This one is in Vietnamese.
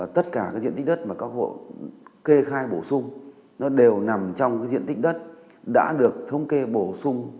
tất cả cái diện tích đất mà các hộ kê khai bổ sung nó đều nằm trong cái diện tích đất đã được thống kê bổ sung